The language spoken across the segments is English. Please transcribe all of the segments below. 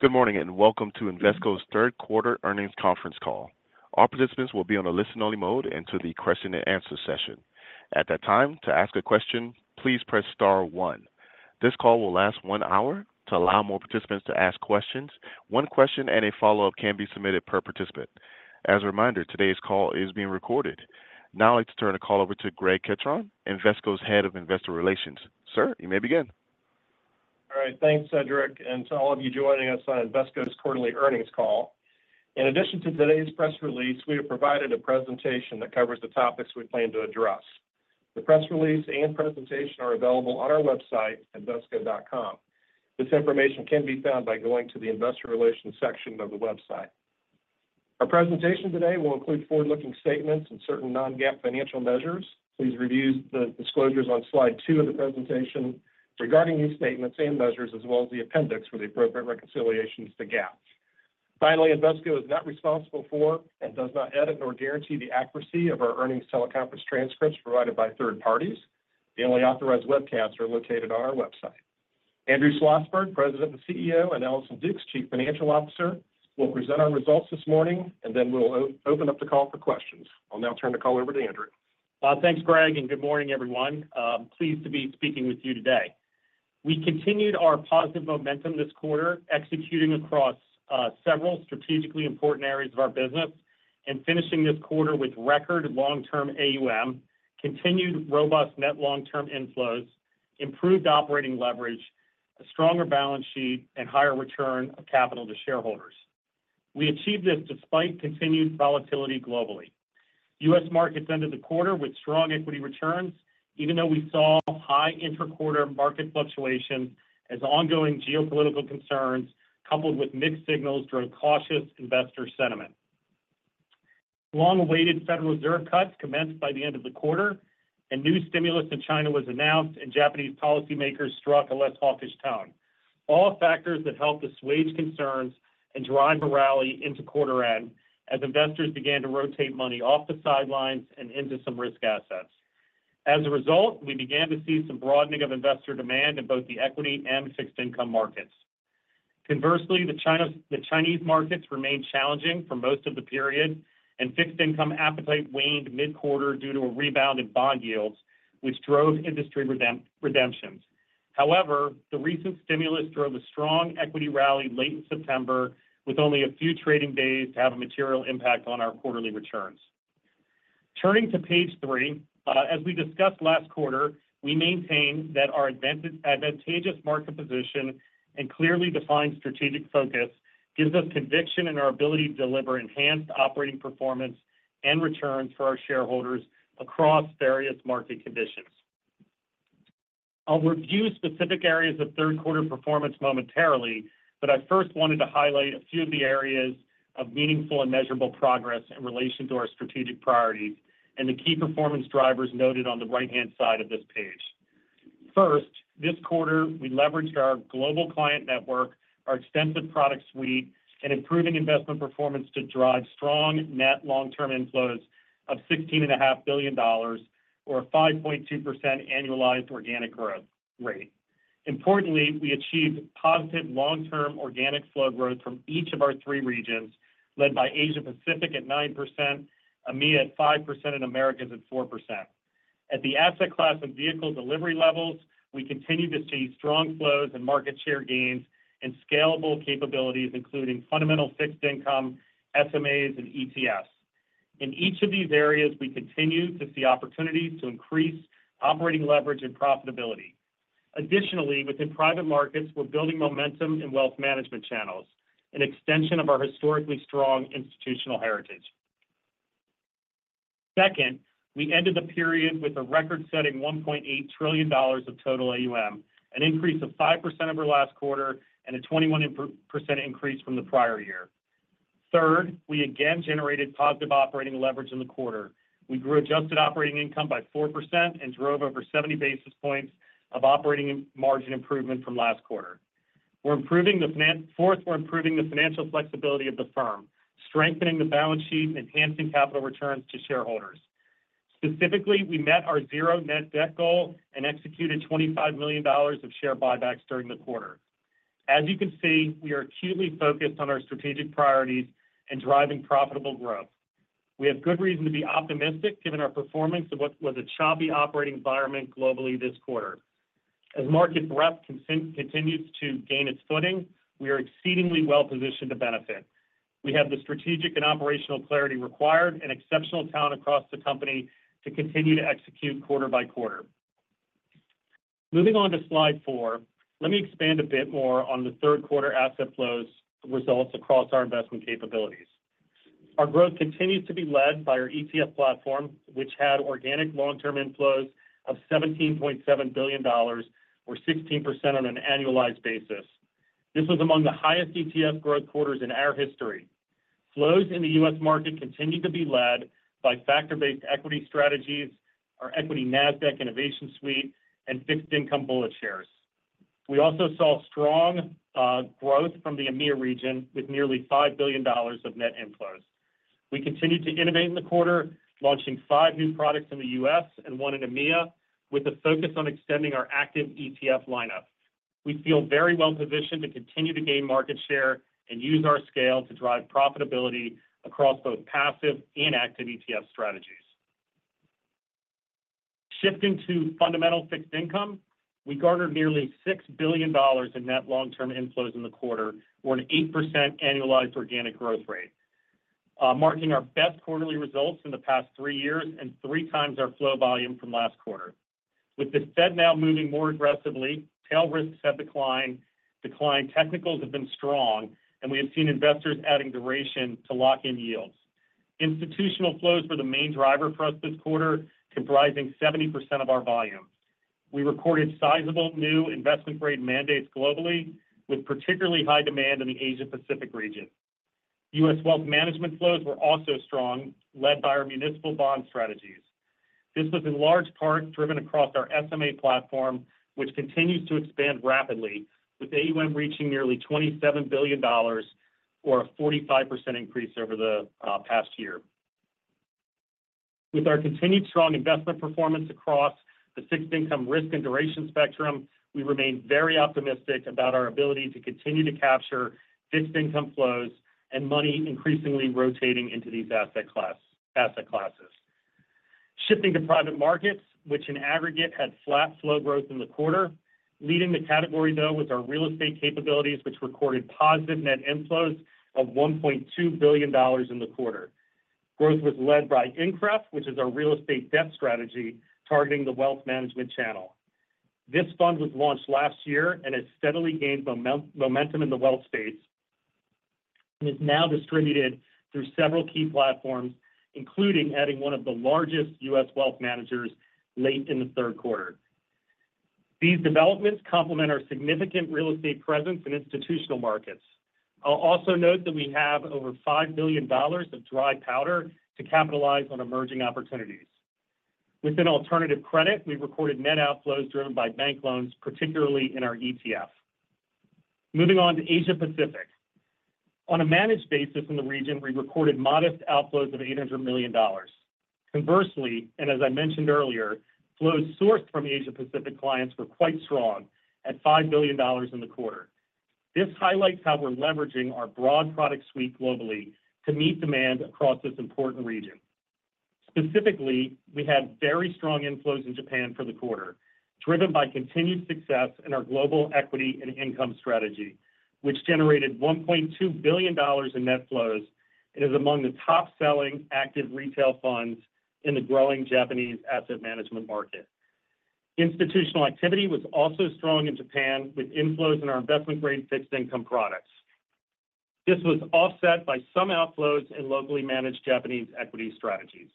Good morning, and welcome to Invesco's 3rd Quarter Earnings Conference Call. All participants will be on a listen-only mode until the question and answer session. At that time, to ask a question, please press star one. This call will last one hour. To allow more participants to ask questions, one question and a follow-up can be submitted per participant. As a reminder, today's call is being recorded. Now, I'd like to turn the call over to Greg Ketron, Invesco's Head of Investor Relations. Sir, you may begin. All right. Thanks, Cedric, and to all of you joining us on Invesco's Quarterly Earnings Call. In addition to today's press release, we have provided a presentation that covers the topics we plan to address. The press release and presentation are available on our website, invesco.com. This information can be found by going to the Investor Relations section of the website. Our presentation today will include forward-looking statements and certain non-GAAP financial measures. Please review the disclosures on slide two of the presentation regarding these statements and measures, as well as the appendix for the appropriate reconciliations to GAAP. Finally, Invesco is not responsible for and does not edit or guarantee the accuracy of our earnings teleconference transcripts provided by third parties. The only authorized webcasts are located on our website. Andrew Schlossberg, President and CEO, and Allison Dukes, Chief Financial Officer, will present our results this morning, and then we'll open up the call for questions. I'll now turn the call over to Andrew. Thanks, Greg, and good morning, everyone. Pleased to be speaking with you today. We continued our positive momentum this quarter, executing across several strategically important areas of our business and finishing this quarter with record long-term AUM, continued robust net long-term inflows, improved operating leverage, a stronger balance sheet, and higher return of capital to shareholders. We achieved this despite continued volatility globally. U.S. markets ended the quarter with strong equity returns, even though we saw high intra-quarter market fluctuation as ongoing geopolitical concerns, coupled with mixed signals, drove cautious investor sentiment. Long-awaited Federal Reserve cuts commenced by the end of the quarter, and new stimulus in China was announced, and Japanese policymakers struck a less hawkish tone. All factors that helped assuage concerns and drive a rally into quarter end as investors began to rotate money off the sidelines and into some risk assets. As a result, we began to see some broadening of investor demand in both the equity and fixed income markets. Conversely, the Chinese markets remained challenging for most of the period, and fixed income appetite waned mid-quarter due to a rebound in bond yields, which drove industry redemptions. However, the recent stimulus drove a strong equity rally late in September, with only a few trading days to have a material impact on our quarterly returns. Turning to page three, as we discussed last quarter, we maintain that our advantageous market position and clearly defined strategic focus gives us conviction in our ability to deliver enhanced operating performance and returns for our shareholders across various market conditions. I'll review specific areas of 3rd quarter performance momentarily, but I first wanted to highlight a few of the areas of meaningful and measurable progress in relation to our strategic priorities and the key performance drivers noted on the right-hand side of this page. First, this quarter, we leveraged our global client network, our extensive product suite, and improving investment performance to drive strong net long-term inflows of $16.5 billion or a 5.2% annualized organic growth rate. Importantly, we achieved positive long-term organic flow growth from each of our three regions, led by Asia Pacific at 9%, EMEA at 5%, and Americas at 4%. At the asset class and vehicle delivery levels, we continue to see strong flows and market share gains and scalable capabilities, including fundamental fixed income, SMAs, and ETFs. In each of these areas, we continue to see opportunities to increase operating leverage and profitability. Additionally, within private markets, we're building momentum in wealth management channels, an extension of our historically strong institutional heritage. Second, we ended the period with a record-setting $1.8 trillion of total AUM, an increase of 5% over last quarter and a 21% increase from the prior year. Third, we again generated positive operating leverage in the quarter. We grew adjusted operating income by 4% and drove over 70 basis points of operating margin improvement from last quarter. Fourth, we're improving the financial flexibility of the firm, strengthening the balance sheet, enhancing capital returns to shareholders. Specifically, we met our zero net debt goal and executed $25 million of share buybacks during the quarter. As you can see, we are acutely focused on our strategic priorities and driving profitable growth. We have good reason to be optimistic, given our performance of what was a choppy operating environment globally this quarter. As market breadth continues to gain its footing, we are exceedingly well positioned to benefit. We have the strategic and operational clarity required and exceptional talent across the company to continue to execute quarter-by-quarter. Moving on to slide four, let me expand a bit more on the 3rd quarter asset flows results across our investment capabilities. Our growth continues to be led by our ETF platform, which had organic long-term inflows of $17.7 billion or 16% on an annualized basis. This was among the highest ETF growth quarters in our history. Flows in the U.S. market continued to be led by factor-based equity strategies, our Equity NASDAQ Innovation Suite, and fixed income BulletShares. We also saw strong growth from the EMEA region, with nearly $5 billion of net inflows. We continued to innovate in the quarter, launching five new products in the U.S. and one in EMEA, with a focus on extending our active ETF lineup. We feel very well positioned to continue to gain market share and use our scale to drive profitability across both passive and active ETF strategies. Shifting to Fundamental Fixed Income, we garnered nearly $6 billion in net long-term inflows in the quarter, or an 8% annualized organic growth rate, marking our best quarterly results in the past three years and three times our flow volume from last quarter. With the Fed now moving more aggressively, tail risks have declined, technicals have been strong, and we have seen investors adding duration to lock in yields. Institutional flows were the main driver for us this quarter, comprising 70% of our volume. We recorded sizable new investment-grade mandates globally, with particularly high demand in the Asia-Pacific region. U.S. wealth management flows were also strong, led by our municipal bond strategies. This was in large part driven across our SMA platform, which continues to expand rapidly, with AUM reaching nearly $27 billion or a 45% increase over the past year. With our continued strong investment performance across the fixed income risk and duration spectrum, we remain very optimistic about our ability to continue to capture fixed income flows and money increasingly rotating into these asset classes. Shifting to private markets, which in aggregate had flat flow growth in the quarter. Leading the category, though, was our real estate capabilities, which recorded positive net inflows of $1.2 billion in the quarter. Growth was led by INCREF, which is our real estate debt strategy, targeting the wealth management channel. This fund was launched last year and has steadily gained momentum in the wealth space, and is now distributed through several key platforms, including adding one of the largest U.S. wealth managers late in the 3rd quarter. These developments complement our significant real estate presence in institutional markets. I'll also note that we have over $5 billion of dry powder to capitalize on emerging opportunities. Within alternative credit, we recorded net outflows driven by bank loans, particularly in our ETF. Moving on to Asia Pacific. On a managed basis in the region, we recorded modest outflows of $800 million. Conversely, and as I mentioned earlier, flows sourced from Asia Pacific clients were quite strong at $5 billion in the quarter. This highlights how we're leveraging our broad product suite globally to meet demand across this important region. Specifically, we had very strong inflows in Japan for the quarter, driven by continued success in our global equity and income strategy, which generated $1.2 billion in net flows and is among the top-selling active retail funds in the growing Japanese asset management market. Institutional activity was also strong in Japan, with inflows in our investment-grade fixed income products. This was offset by some outflows in locally managed Japanese equity strategies.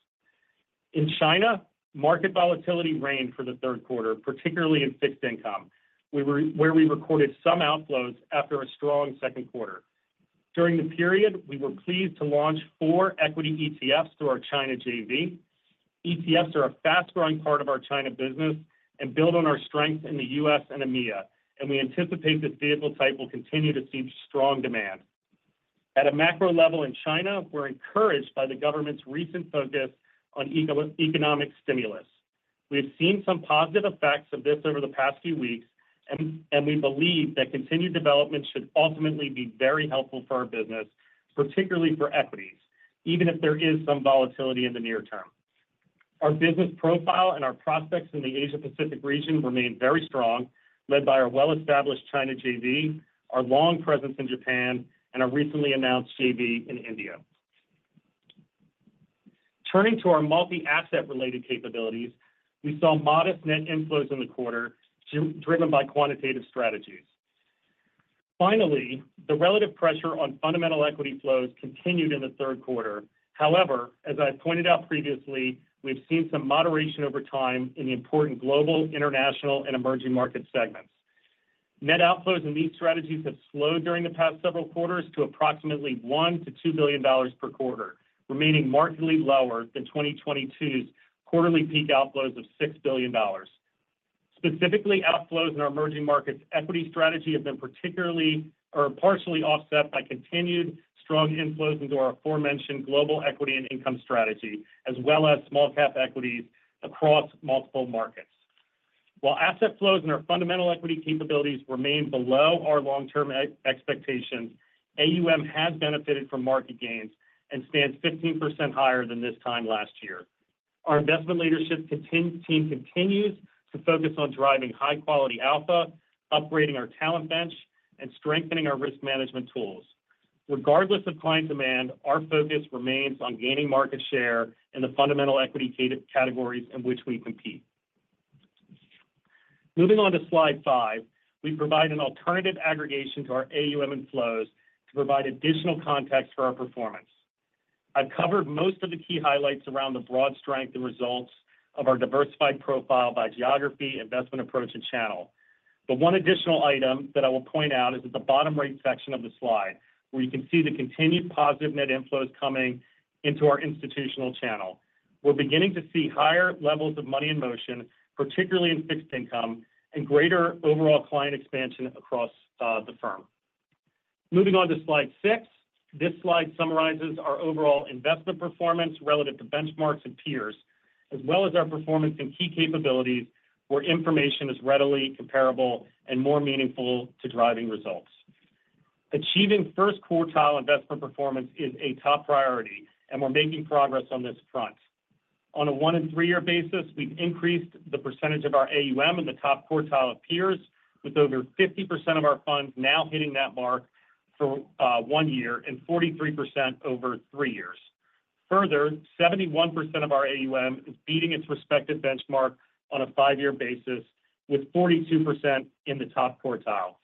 In China, market volatility reigned for the 3rd quarter, particularly in fixed income, we were... Where we recorded some outflows after a strong 2nd quarter. During the period, we were pleased to launch four equity ETFs through our China JV. ETFs are a fast-growing part of our China business and build on our strength in the U.S. and EMEA, and we anticipate this vehicle type will continue to see strong demand. At a macro level in China, we're encouraged by the government's recent focus on economic stimulus. We have seen some positive effects of this over the past few weeks, and we believe that continued development should ultimately be very helpful for our business, particularly for equities, even if there is some volatility in the near term. Our business profile and our prospects in the Asia-Pacific region remain very strong, led by our well-established China JV, our long presence in Japan, and our recently announced JV in India. Turning to our multi-asset-related capabilities, we saw modest net inflows in the quarter, driven by quantitative strategies. Finally, the relative pressure on fundamental equity flows continued in the 3rd quarter. However, as I pointed out previously, we've seen some moderation over time in the important global, international, and emerging market segments. Net outflows in these strategies have slowed during the past several quarters to approximately $1-$2 billion per quarter, remaining markedly lower than 2022's quarterly peak outflows of $6 billion. Specifically, outflows in our emerging markets equity strategy have been particularly or partially offset by continued strong inflows into our aforementioned global equity and income strategy, as well as small cap equities across multiple markets. While asset flows and our fundamental equity capabilities remain below our long-term expectation, AUM has benefited from market gains and stands 15% higher than this time last year. Our investment leadership team continues to focus on driving high-quality alpha, upgrading our talent bench, and strengthening our risk management tools. Regardless of client demand, our focus remains on gaining market share in the fundamental equity categories in which we compete. Moving on to slide five, we provide an alternative aggregation to our AUM and flows to provide additional context for our performance. I've covered most of the key highlights around the broad strength and results of our diversified profile by geography, investment approach, and channel. But one additional item that I will point out is at the bottom right section of the slide, where you can see the continued positive net inflows coming into our institutional channel. We're beginning to see higher levels of money in motion, particularly in fixed income, and greater overall client expansion across the firm. Moving on to slide six. This slide summarizes our overall investment performance relative to benchmarks and peers, as well as our performance and key capabilities, where information is readily comparable and more meaningful to driving results. Achieving first quartile investment performance is a top priority, and we're making progress on this front. On a one and three-year basis, we've increased the percentage of our AUM in the top quartile of peers, with over 50% of our funds now hitting that mark for one year and 43% over three years. Further, 71% of our AUM is beating its respective benchmark on a five-year basis, with 42% in the top quartile.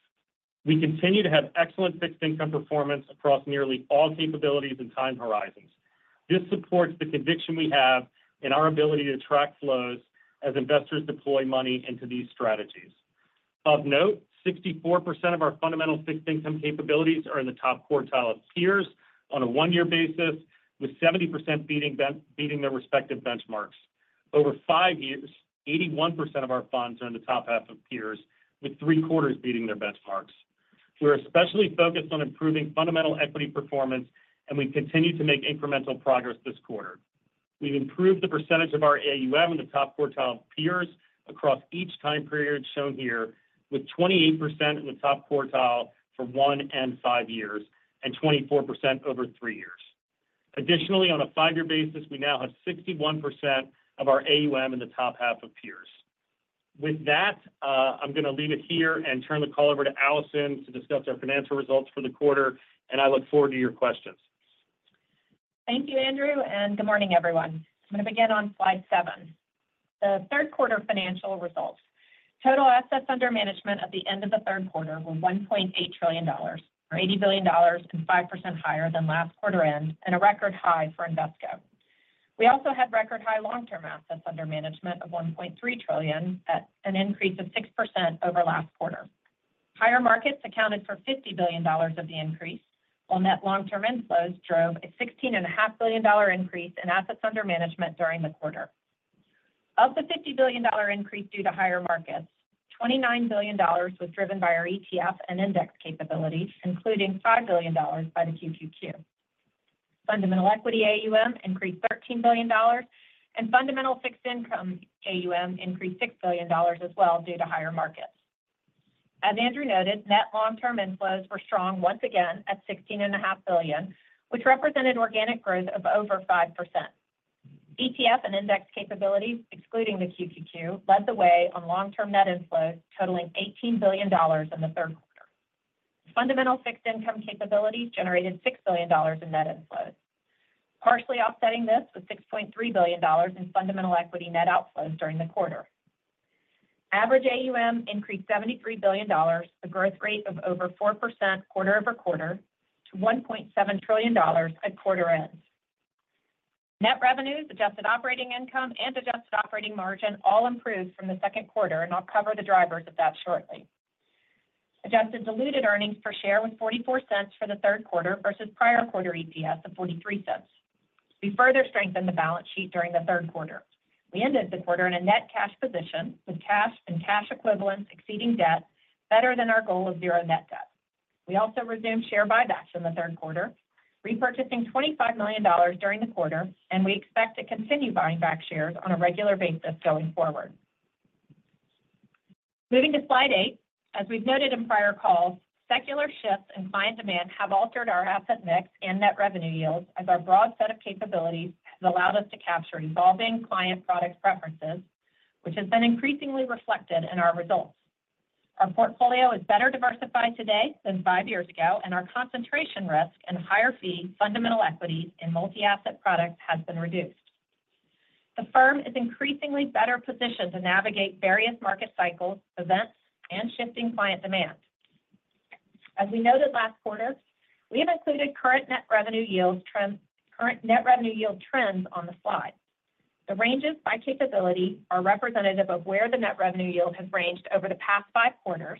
We continue to have excellent fixed income performance across nearly all capabilities and time horizons. This supports the conviction we have in our ability to track flows as investors deploy money into these strategies. Of note, 64% of our fundamental fixed income capabilities are in the top quartile of peers on a one-year basis, with 70% beating their respective benchmarks. Over five years, 81% of our funds are in the top half of peers, with three-quarters beating their benchmarks. We're especially focused on improving fundamental equity performance, and we continue to make incremental progress this quarter. We've improved the percentage of our AUM in the top quartile of peers across each time period shown here, with 28% in the top quartile for one and five years, and 24% over three years. Additionally, on a five-year basis, we now have 61% of our AUM in the top half of peers. With that, I'm gonna leave it here and turn the call over to Allison to discuss our financial results for the quarter, and I look forward to your questions. Thank you, Andrew, and good morning, everyone. I'm going to begin on slide seven. The 3rd quarter financial results. Total assets under management at the end of the 3rd quarter were $1.8 trillion, up $80 billion, and 5% higher than last quarter end, and a record high for Invesco. We also had record high long-term assets under management of $1.3 trillion at an increase of 6% over last quarter. Higher markets accounted for $50 billion of the increase, while net long-term inflows drove a $16.5 billion increase in assets under management during the quarter. Of the $50 billion increase due to higher markets, $29 billion was driven by our ETF and index capabilities, including $5 billion by the QQQ. Fundamental Equity AUM increased $13 billion, and Fundamental Fixed Income AUM increased $6 billion as well due to higher markets. As Andrew noted, net long-term inflows were strong once again at $16.5 billion, which represented organic growth of over 5%. ETF and index capabilities, excluding the QQQ, led the way on long-term net inflows, totaling $18 billion in the 3rd quarter. Fundamental Fixed Income capabilities generated $6 billion in net inflows. Partially offsetting this was $6.3 billion in Fundamental Equity net outflows during the quarter. Average AUM increased $73 billion, a growth rate of over 4% quarter over quarter to $1.7 trillion at quarter end. Net revenues, adjusted operating income, and adjusted operating margin all improved from the 2nd quarter, and I'll cover the drivers of that shortly. Adjusted diluted earnings per share was $0.44 for the 3rd quarter versus prior quarter EPS of $0.43. We further strengthened the balance sheet during the 3rd quarter. We ended the quarter in a net cash position, with cash and cash equivalents exceeding debt better than our goal of zero net debt. We also resumed share buybacks in the 3rd quarter, repurchasing $25 million during the quarter, and we expect to continue buying back shares on a regular basis going forward. Moving to slide eight. As we've noted in prior calls, secular shifts in client demand have altered our asset mix and net revenue yields, as our broad set of capabilities has allowed us to capture evolving client product preferences, which has been increasingly reflected in our results. Our portfolio is better diversified today than five years ago, and our concentration risk and higher fee fundamental equity in multi-asset products has been reduced. The firm is increasingly better positioned to navigate various market cycles, events, and shifting client demand. As we noted last quarter, we have included current net revenue yield trends on the slide. The ranges by capability are representative of where the net revenue yield has ranged over the past five quarters,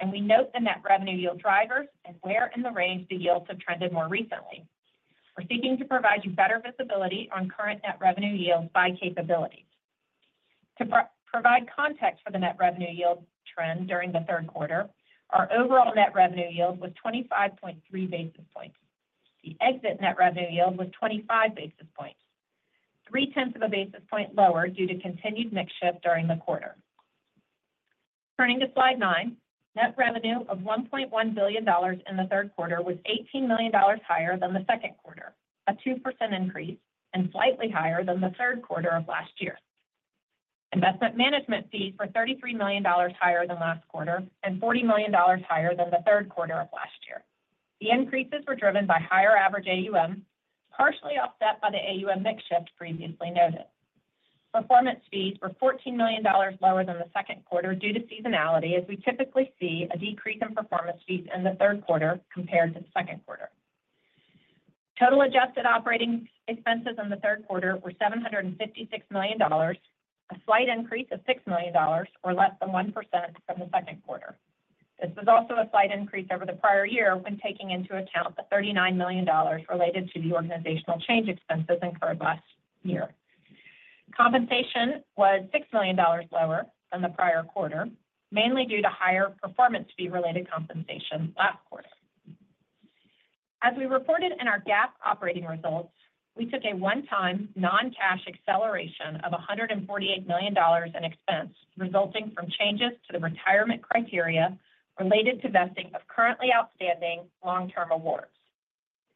and we note the net revenue yield drivers and where in the range the yields have trended more recently. We're seeking to provide you better visibility on current net revenue yields by capabilities. To provide context for the net revenue yield trend during the 3rd quarter, our overall net revenue yield was 25.3 basis points. The exit net revenue yield was 25 basis points, three-tenths of a basis point lower due to continued mix shift during the quarter. Turning to slide 9. Net revenue of $1.1 billion in the 3rd quarter was $18 million higher than the 2nd quarter, a 2% increase and slightly higher than the 3rd quarter of last year. Investment management fees were $33 million higher than last quarter and $40 million higher than the 3rd quarter of last year. The increases were driven by higher average AUM, partially offset by the AUM mix shift previously noted. Performance fees were $14 million lower than the 2nd quarter due to seasonality, as we typically see a decrease in performance fees in the 3rd quarter compared to the 2nd quarter. Total adjusted operating expenses in the 3rd quarter were $756 million, a slight increase of $6 million, or less than 1% from the 2nd quarter. This is also a slight increase over the prior year when taking into account the $39 million related to the organizational change expenses incurred last year. Compensation was $6 million lower than the prior quarter, mainly due to higher performance fee-related compensation last quarter. As we reported in our GAAP operating results, we took a one-time, non-cash acceleration of $148 million in expense, resulting from changes to the retirement criteria related to vesting of currently outstanding long-term awards.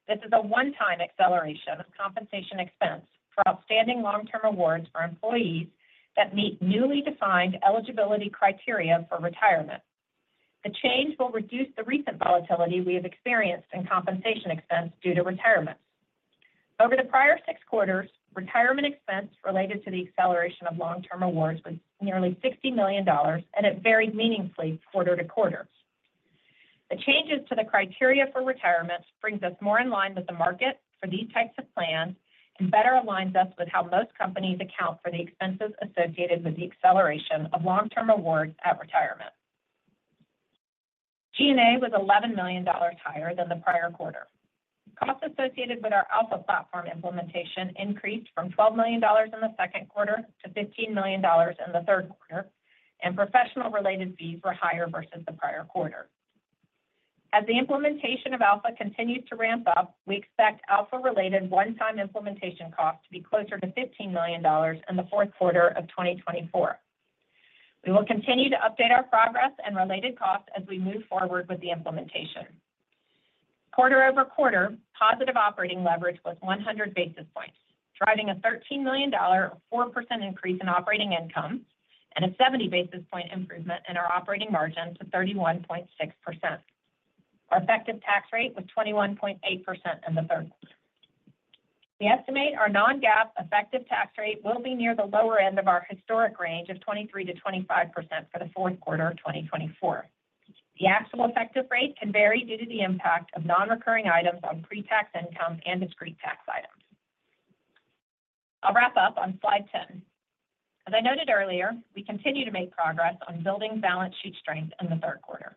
This is a one-time acceleration of compensation expense for outstanding long-term awards for employees that meet newly defined eligibility criteria for retirement. The change will reduce the recent volatility we have experienced in compensation expense due to retirement. Over the prior six quarters, retirement expense related to the acceleration of long-term awards was nearly $60 million, and it varied meaningfully quarter to quarter. The changes to the criteria for retirement brings us more in line with the market for these types of plans and better aligns us with how most companies account for the expenses associated with the acceleration of long-term awards at retirement. G&A was $11 million higher than the prior quarter. Costs associated with our Alpha platform implementation increased from $12 million in the 2nd quarter to $15 million in the 3rd quarter, and professional-related fees were higher versus the prior quarter. As the implementation of Alpha continues to ramp up, we expect Alpha-related one-time implementation costs to be closer to $15 million in the 4th quarter of 2024. We will continue to update our progress and related costs as we move forward with the implementation. Quarter-over-quarter, positive operating leverage was 100 basis points, driving a $13 million, 4% increase in operating income and a 70 basis point improvement in our operating margin to 31.6%. Our effective tax rate was 21.8% in the 3rd quarter. We estimate our non-GAAP effective tax rate will be near the lower end of our historic range of 23%-25% for the 4th quarter of 2024. The actual effective rate can vary due to the impact of non-recurring items on pre-tax income and discrete tax items. I'll wrap up on slide ten. As I noted earlier, we continue to make progress on building balance sheet strength in the 3rd quarter.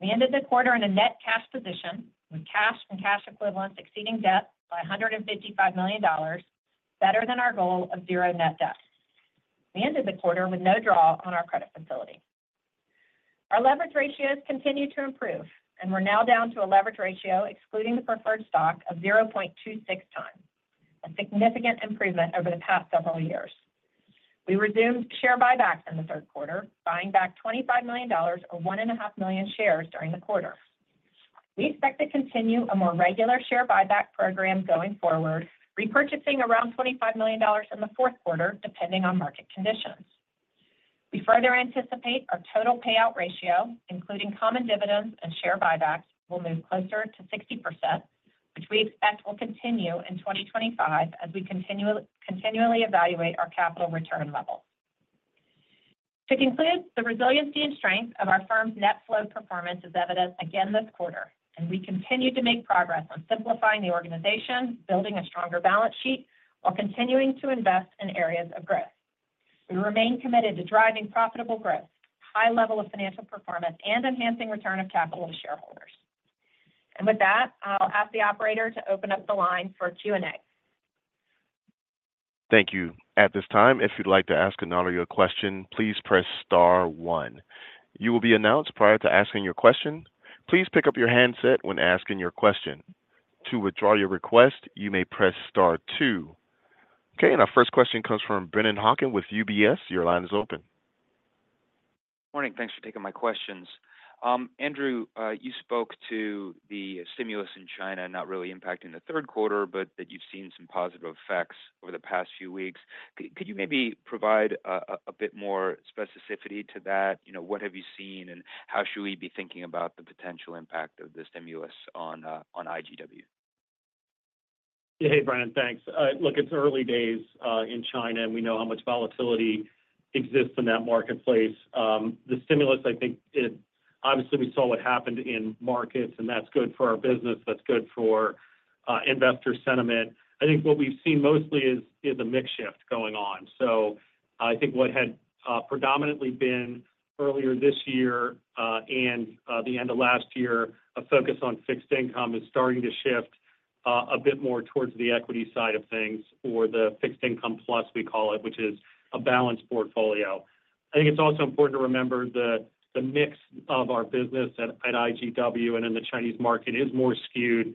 We ended the quarter in a net cash position, with cash and cash equivalents exceeding debt by $155 million, better than our goal of zero net debt. We ended the quarter with no draw on our credit facility. Our leverage ratios continue to improve, and we're now down to a leverage ratio, excluding the preferred stock, of 0.26 times, a significant improvement over the past several years. We resumed share buybacks in the 3rd quarter, buying back $25 million or 1.5 million shares during the quarter. We expect to continue a more regular share buyback program going forward, repurchasing around $25 million in the 4th quarter, depending on market conditions. We further anticipate our total payout ratio, including common dividends and share buybacks, will move closer to 60%, which we expect will continue in 2025 as we continually evaluate our capital return level. To conclude, the resiliency and strength of our firm's net flow performance is evident again this quarter, and we continue to make progress on simplifying the organization, building a stronger balance sheet while continuing to invest in areas of growth. We remain committed to driving profitable growth, high level of financial performance, and enhancing return of capital to shareholders. And with that, I'll ask the operator to open up the line for Q&A. Thank you. At this time, if you'd like to ask an audio question, please press star one. You will be announced prior to asking your question. Please pick up your handset when asking your question. To withdraw your request, you may press star two. Okay, and our first question comes from Brennan Hawken with UBS. Your line is open. Morning. Thanks for taking my questions. Andrew, you spoke to the stimulus in China not really impacting the 3rd quarter, but that you've seen some positive effects over the past few weeks. Could you maybe provide a bit more specificity to that? You know, what have you seen, and how should we be thinking about the potential impact of the stimulus on IGW? Hey, Brennan, thanks. Look, it's early days in China, and we know how much volatility exists in that marketplace. The stimulus, I think it obviously, we saw what happened in markets, and that's good for our business, that's good for investor sentiment. I think what we've seen mostly is a mix shift going on. So I think what had predominantly been earlier this year and the end of last year, a focus on fixed income, is starting to shift a bit more towards the equity side of things or the fixed income plus, we call it, which is a balanced portfolio. I think it's also important to remember the mix of our business at IGW and in the Chinese market is more skewed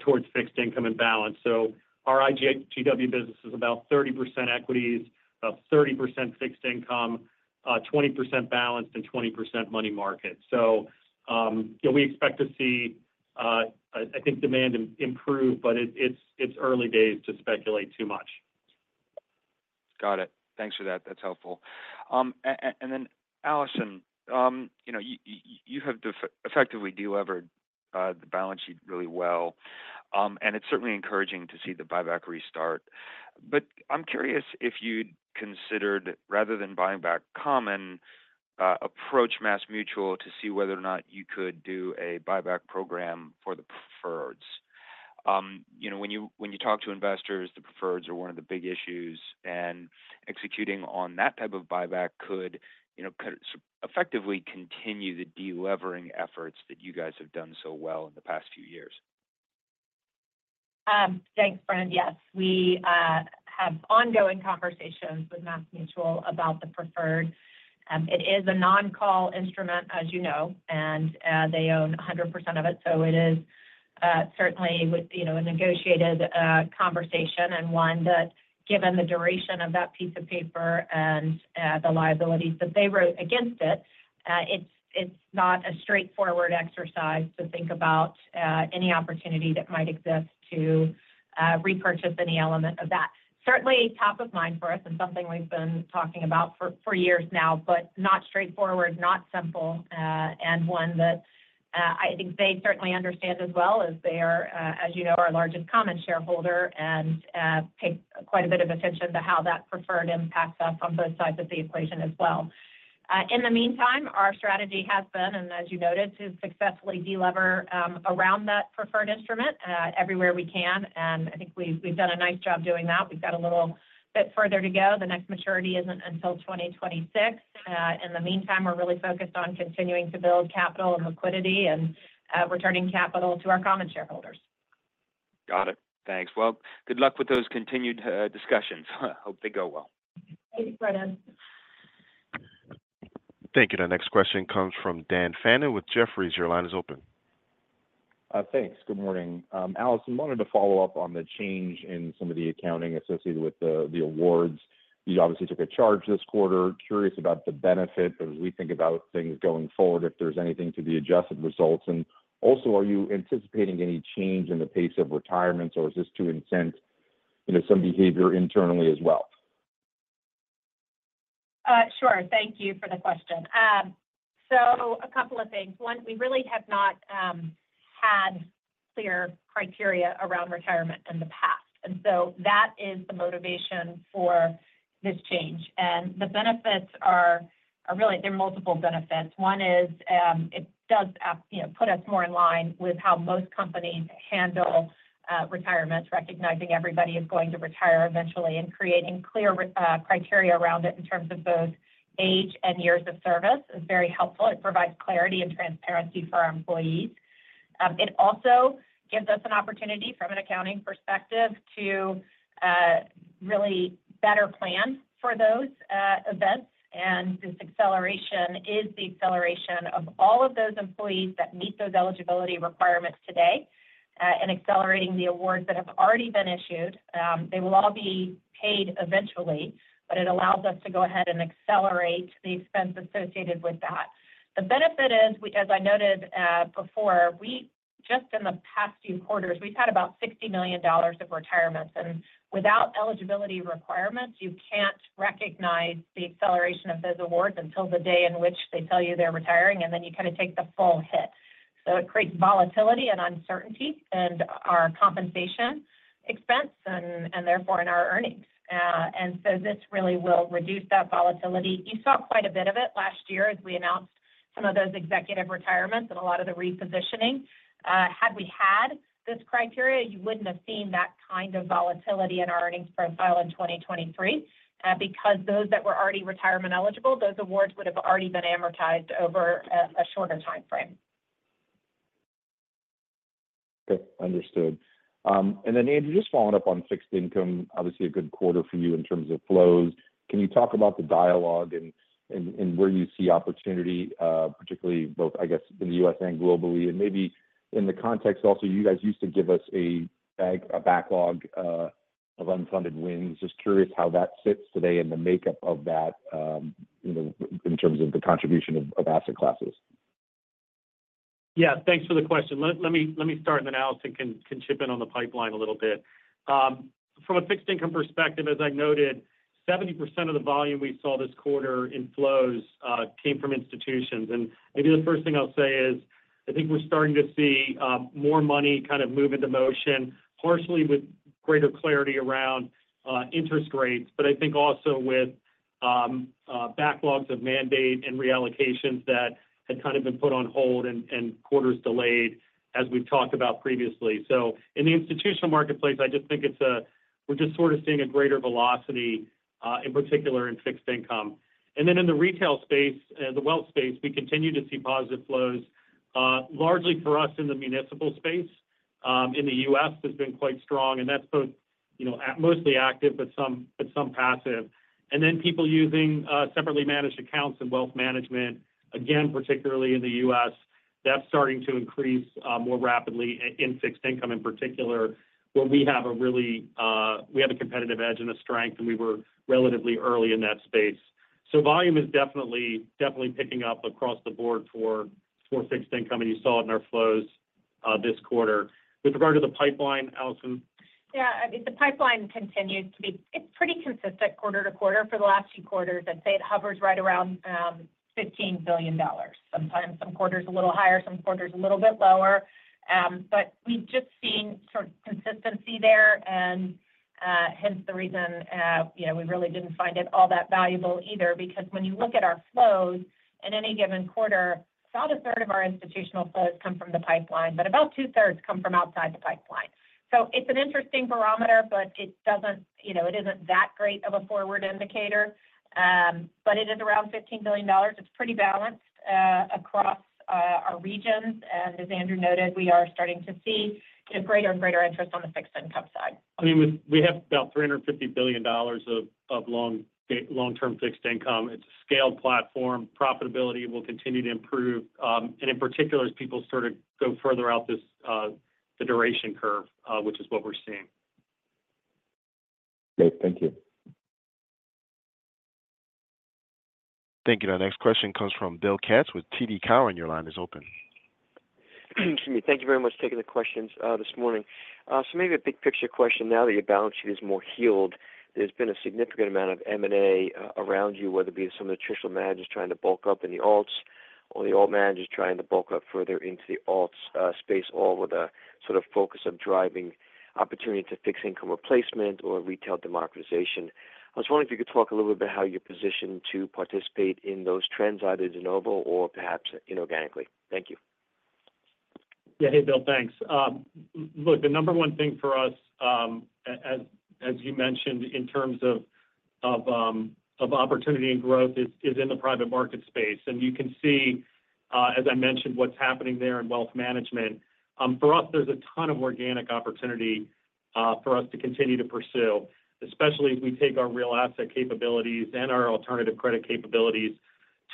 towards fixed income and balance. So our IGW business is about 30% equities, 30% fixed income, 20% balanced, and 20% money market. So, yeah, we expect to see, I think demand improve, but it's early days to speculate too much. Got it. Thanks for that. That's helpful. And then, Allison, you know, you have effectively delevered the balance sheet really well. And it's certainly encouraging to see the buyback restart. But I'm curious if you'd considered, rather than buying back common, approach MassMutual to see whether or not you could do a buyback program for the preferreds?... you know, when you talk to investors, the preferreds are one of the big issues, and executing on that type of buyback could, you know, effectively continue the delevering efforts that you guys have done so well in the past few years. Thanks, Brian. Yes, we have ongoing conversations with MassMutual about the preferred. It is a non-call instrument, as you know, and they own 100% of it, so it is certainly with, you know, a negotiated conversation and one that, given the duration of that piece of paper and the liabilities that they wrote against it, it's not a straightforward exercise to think about any opportunity that might exist to repurchase any element of that. Certainly, top of mind for us and something we've been talking about for years now, but not straightforward, not simple, and one that, I think they certainly understand as well as they are, as you know, our largest common shareholder and pay quite a bit of attention to how that preferred impacts us on both sides of the equation as well. In the meantime, our strategy has been, and as you noted, to successfully delever around that preferred instrument, everywhere we can, and I think we've done a nice job doing that. We've got a little bit further to go. The next maturity isn't until 2026. In the meantime, we're really focused on continuing to build capital and liquidity and returning capital to our common shareholders. Got it. Thanks. Good luck with those continued discussions. Hope they go well. Thank you, Brian. Thank you. The next question comes from Dan Fannon with Jefferies. Your line is open. Thanks. Good morning. Allison, wanted to follow up on the change in some of the accounting associated with the awards. You obviously took a charge this quarter. Curious about the benefit as we think about things going forward, if there's anything to the adjusted results. And also, are you anticipating any change in the pace of retirements, or is this to incent, you know, some behavior internally as well? Sure. Thank you for the question. So a couple of things. One, we really have not had clear criteria around retirement in the past, and so that is the motivation for this change. And the benefits are really there are multiple benefits. One is, it does you know put us more in line with how most companies handle retirements, recognizing everybody is going to retire eventually and creating clear criteria around it in terms of both age and years of service is very helpful. It provides clarity and transparency for our employees. It also gives us an opportunity from an accounting perspective to really better plan for those events. And this acceleration is the acceleration of all of those employees that meet those eligibility requirements today, and accelerating the awards that have already been issued. They will all be paid eventually, but it allows us to go ahead and accelerate the expense associated with that. The benefit is, which as I noted before, we just in the past few quarters, we've had about $60 million of retirements, and without eligibility requirements, you can't recognize the acceleration of those awards until the day in which they tell you they're retiring, and then you kind of take the full hit. So it creates volatility and uncertainty in our compensation expense and therefore in our earnings. And so this really will reduce that volatility. You saw quite a bit of it last year as we announced some of those executive retirements and a lot of the repositioning. Had we had this criteria, you wouldn't have seen that kind of volatility in our earnings profile in 2023, because those that were already retirement eligible, those awards would have already been amortized over a shorter time frame. Okay. Understood. And then, Andy, just following up on fixed income, obviously a good quarter for you in terms of flows. Can you talk about the dialogue and where you see opportunity, particularly both, I guess, in the U.S. and globally, and maybe in the context also, you guys used to give us a backlog of unfunded wins. Just curious how that sits today and the makeup of that, you know, in terms of the contribution of asset classes. Yeah. Thanks for the question. Let me start, and then Allison can chip in on the pipeline a little bit. From a fixed income perspective, as I noted, 70% of the volume we saw this quarter in flows came from institutions. And maybe the first thing I'll say is, I think we're starting to see more money kind of move into motion, partially with greater clarity around interest rates, but I think also with backlogs of mandate and reallocations that had kind of been put on hold and quarters delayed, as we've talked about previously. So in the institutional marketplace, I just think we're just sort of seeing a greater velocity in particular in fixed income. And then in the retail space, the wealth space, we continue to see positive flows, largely for us in the municipal space. In the U.S., has been quite strong, and that's both, you know, mostly active, but some passive. And then people using separately managed accounts and wealth management, again, particularly in the U.S., that's starting to increase more rapidly in fixed income, in particular, where we have a competitive edge and a strength, and we were relatively early in that space. So volume is definitely picking up across the board for fixed income, and you saw it in our flows this quarter. With regard to the pipeline, Allison? Yeah. I mean, the pipeline continues to be. It's pretty consistent quarter to quarter for the last few quarters. I'd say it hovers right around $15 billion. Sometimes some quarters a little higher, some quarters a little bit lower. But we've just seen sort of consistency there and hence the reason, you know, we really didn't find it all that valuable either. Because when you look at our flows in any given quarter, about a third of our institutional flows come from the pipeline, but about two-thirds come from outside the pipeline. So it's an interesting barometer, but it doesn't, you know, it isn't that great of a forward indicator. But it is around $15 billion. It's pretty balanced across our regions. And as Andrew noted, we are starting to see a greater and greater interest on the fixed income side. I mean, we have about $350 billion of long-term fixed income. It's a scaled platform. Profitability will continue to improve, and in particular, as people sort of go further out this the duration curve, which is what we're seeing. Great. Thank you. Thank you. Our next question comes from Bill Katz with TD Cowen. Your line is open. Excuse me. Thank you very much for taking the questions, this morning, so maybe a big picture question now that your balance sheet is more healed. There's been a significant amount of M&A around you, whether it be some of the traditional managers trying to bulk up in the alts or the alt managers trying to bulk up further into the alts space, all with a sort of focus of driving opportunity to fixed income replacement or retail democratization. I was wondering if you could talk a little bit about how you're positioned to participate in those trends, either de novo or perhaps inorganically. Thank you. Yeah. Hey, Bill. Thanks. Look, the number one thing for us, as you mentioned, in terms of opportunity and growth is in the private market space. And you can see, as I mentioned, what's happening there in wealth management. For us, there's a ton of organic opportunity for us to continue to pursue, especially as we take our real asset capabilities and our alternative credit capabilities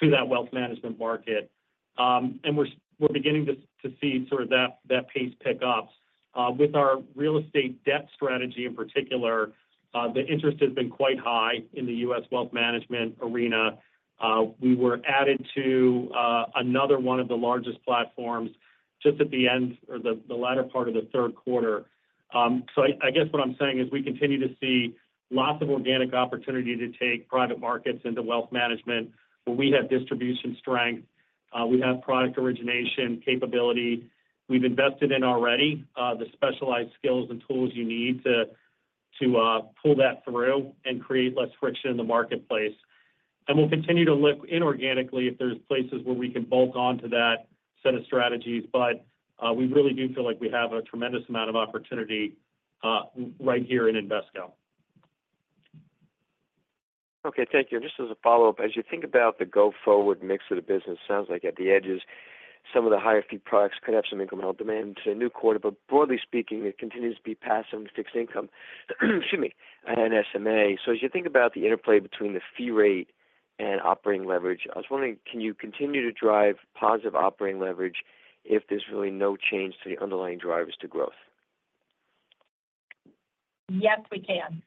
to that wealth management market. And we're beginning to see that pace pick up. With our real estate debt strategy, in particular, the interest has been quite high in the U.S. wealth management arena. We were added to another one of the largest platforms just at the end or the latter part of the 3rd quarter. So I guess what I'm saying is we continue to see lots of organic opportunity to take private markets into wealth management, where we have distribution strength, we have product origination capability. We've invested in already the specialized skills and tools you need to pull that through and create less friction in the marketplace. And we'll continue to look inorganically if there's places where we can bulk on to that set of strategies, but we really do feel like we have a tremendous amount of opportunity right here in Invesco. Okay. Thank you. And just as a follow-up, as you think about the go-forward mix of the business, sounds like at the edges, some of the higher fee products could have some incremental demand to new quarter. But broadly speaking, it continues to be passive in fixed income, excuse me, and SMA. So as you think about the interplay between the fee rate and operating leverage, I was wondering, can you continue to drive positive operating leverage if there's really no change to the underlying drivers to growth? Yes, we can.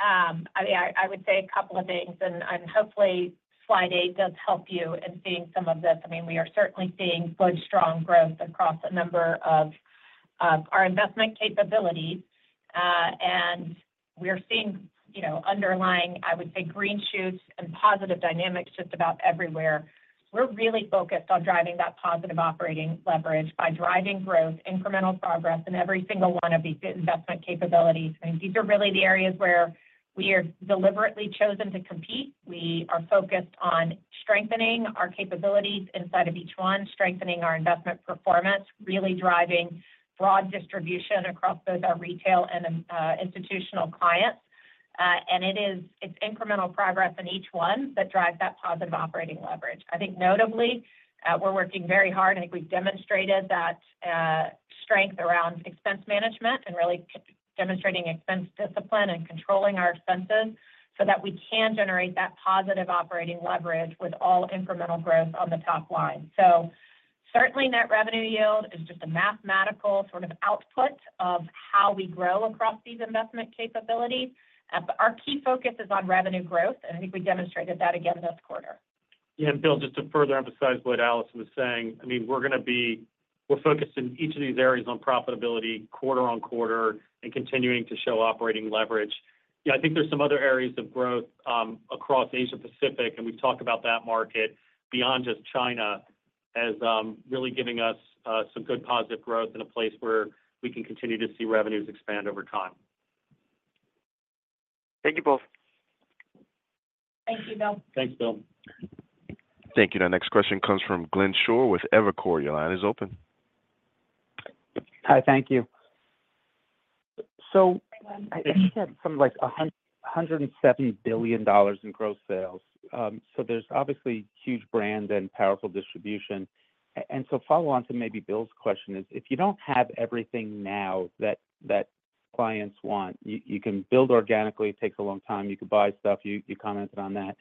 I mean, I would say a couple of things, and hopefully, slide eight does help you in seeing some of this. I mean, we are certainly seeing good, strong growth across a number of our investment capabilities, and we are seeing, you know, underlying, I would say, green shoots and positive dynamics just about everywhere. We're really focused on driving that positive operating leverage by driving growth, incremental progress in every single one of these investment capabilities. I mean, these are really the areas where we are deliberately chosen to compete. We are focused on strengthening our capabilities inside of each one, strengthening our investment performance, really driving broad distribution across both our retail and institutional clients, and it's incremental progress in each one that drives that positive operating leverage. I think notably, we're working very hard, and I think we've demonstrated that strength around expense management and really demonstrating expense discipline and controlling our expenses, so that we can generate that positive operating leverage with all incremental growth on the top line. So certainly, net revenue yield is just a mathematical sort of output of how we grow across these investment capabilities. But our key focus is on revenue growth, and I think we demonstrated that again this quarter. Yeah, and Bill, just to further emphasize what Allison was saying, I mean, we're focused in each of these areas on profitability quarter on quarter and continuing to show operating leverage. Yeah, I think there's some other areas of growth across Asia Pacific, and we've talked about that market beyond just China, as really giving us some good positive growth in a place where we can continue to see revenues expand over time. Thank you both. Thank you, Bill. Thanks, Bill. Thank you. Our next question comes from Glenn Schorr with Evercore. Your line is open. Hi, thank you. So I think you had something like $170 billion in gross sales. So there's obviously huge brand and powerful distribution. And so follow on to maybe Bill's question is, if you don't have everything now that clients want, you can build organically. It takes a long time. You could buy stuff, you commented on that.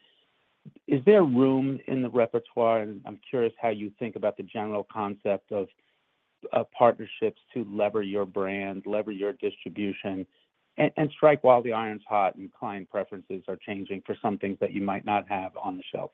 Is there room in the repertoire, and I'm curious how you think about the general concept of partnerships to leverage your brand, leverage your distribution, and strike while the iron is hot, and client preferences are changing for some things that you might not have on the shelf?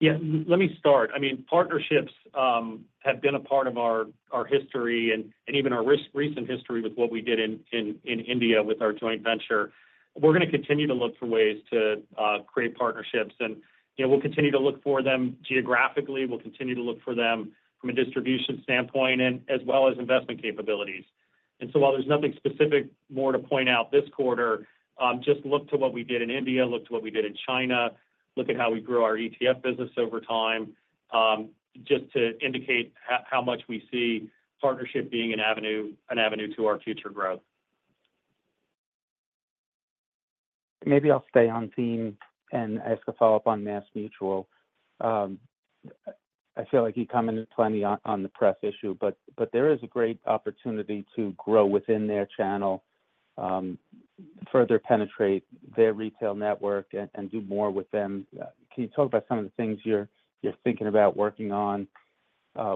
Yeah, let me start. I mean, partnerships have been a part of our history and even our recent history with what we did in India with our joint venture. We're gonna continue to look for ways to create partnerships, and you know, we'll continue to look for them geographically. We'll continue to look for them from a distribution standpoint and as well as investment capabilities. And so while there's nothing specific more to point out this quarter, just look to what we did in India, look to what we did in China, look at how we grew our ETF business over time, just to indicate how much we see partnership being an avenue to our future growth. Maybe I'll stay on theme and ask a follow-up on MassMutual. I feel like you've commented plenty on the press issue, but there is a great opportunity to grow within their channel, further penetrate their retail network and do more with them. Can you talk about some of the things you're thinking about working on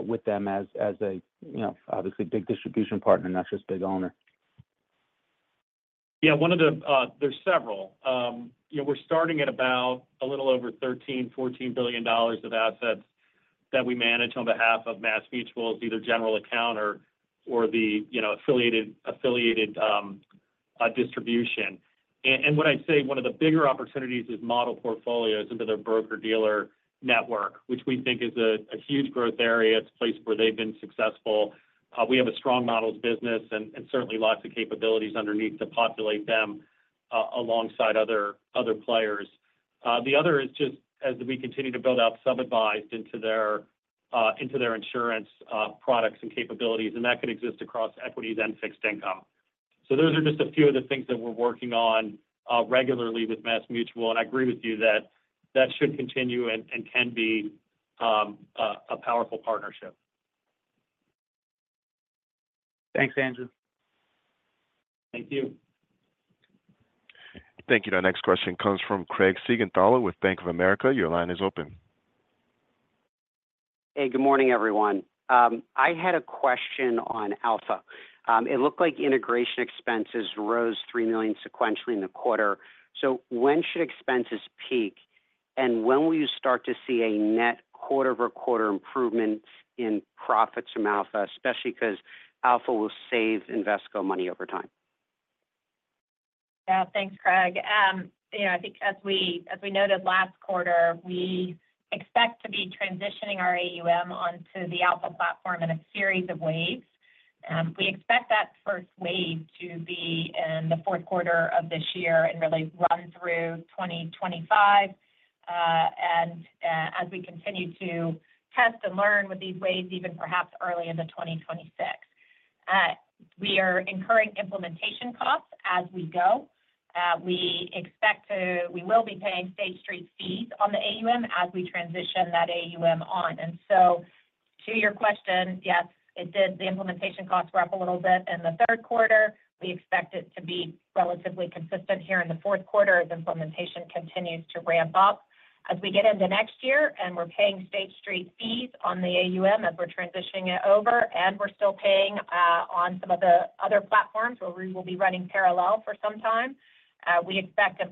with them as a, you know, obviously big distribution partner, not just big owner? Yeah, one of the, There's several. You know, we're starting at about a little over $13-14 billion of assets that we manage on behalf of MassMutual, it's either general account or the, you know, affiliated distribution. And when I say one of the bigger opportunities is model portfolios into their broker-dealer network, which we think is a huge growth area. It's a place where they've been successful. We have a strong models business and certainly lots of capabilities underneath to populate them alongside other players. The other is just as we continue to build out sub-advised into their insurance products and capabilities, and that could exist across equities and fixed income. So those are just a few of the things that we're working on regularly with MassMutual, and I agree with you that that should continue and can be a powerful partnership. Thanks, Andrew. Thank you. Thank you. Our next question comes from Craig Siegenthaler with Bank of America. Your line is open. Hey, good morning, everyone. I had a question on Alpha. It looked like integration expenses rose $3 million sequentially in the quarter. So when should expenses peak, and when will you start to see a net quarter-over-quarter improvement in profits from Alpha, especially because Alpha will save Invesco money over time? Yeah. Thanks, Craig. You know, I think as we noted last quarter, we expect to be transitioning our AUM onto the Alpha platform in a series of waves. We expect that first wave to be in the 4th quarter of this year and really run through 2025. And as we continue to test and learn with these waves, even perhaps early into 2026. We are incurring implementation costs as we go. We expect to. We will be paying State Street fees on the AUM as we transition that AUM on. And so to your question, yes, it did. The implementation costs were up a little bit in the 3rd quarter. We expect it to be relatively consistent here in the 4th quarter as implementation continues to ramp up. As we get into next year, and we're paying State Street fees on the AUM as we're transitioning it over, and we're still paying on some of the other platforms where we will be running parallel for some time, we expect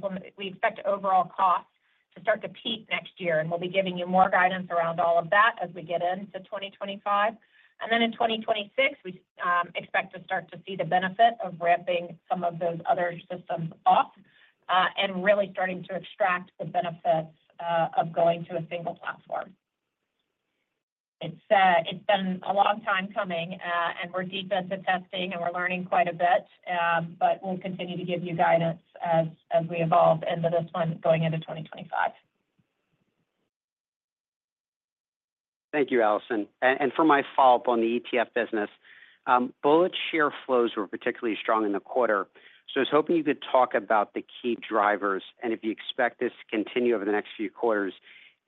overall costs to start to peak next year, and we'll be giving you more guidance around all of that as we get into twenty twenty-five. And then in twenty twenty-six, we expect to start to see the benefit of ramping some of those other systems off, and really starting to extract the benefits of going to a single platform. It's been a long time coming, and we're deep into testing, and we're learning quite a bit. But we'll continue to give you guidance as we evolve into this one going into twenty twenty-five. Thank you, Allison. And for my follow-up on the ETF business, BulletShares flows were particularly strong in the quarter. So I was hoping you could talk about the key drivers and if you expect this to continue over the next few quarters,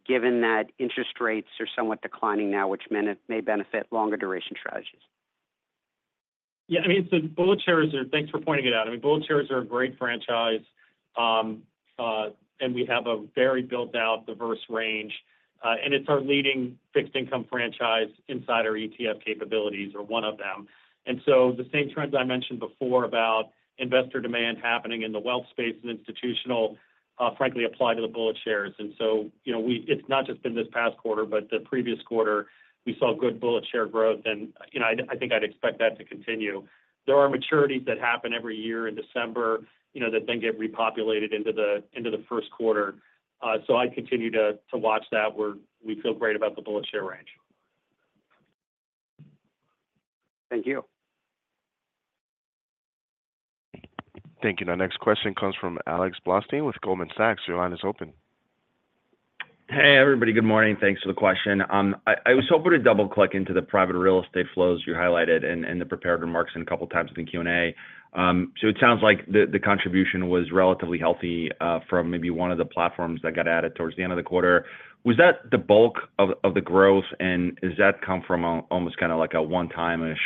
given that interest rates are somewhat declining now, which may benefit longer duration strategies. Yeah. I mean, so BulletShares are - thanks for pointing it out. I mean, BulletShares are a great franchise. And we have a very built-out, diverse range, and it's our leading fixed income franchise inside our ETF capabilities, or one of them. And so the same trends I mentioned before about investor demand happening in the wealth space and institutional, frankly, apply to the BulletShares. And so, you know, it's not just been this past quarter, but the previous quarter we saw good BulletShares growth, and, you know, I think I'd expect that to continue. There are maturities that happen every year in December, you know, that then get repopulated into the, into the first quarter. So I'd continue to watch that, where we feel great about the BulletShares range. Thank you. Thank you. Our next question comes from Alex Blostein with Goldman Sachs. Your line is open. Hey, everybody. Good morning. Thanks for the question. I was hoping to double-click into the private real estate flows you highlighted in the prepared remarks and a couple of times in the Q&A. So it sounds like the contribution was relatively healthy from maybe one of the platforms that got added towards the end of the quarter. Was that the bulk of the growth, and does that come from a almost kind of like a one-time-ish